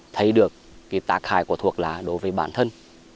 thấy được cái tác hại của thuốc lá đối với bản thân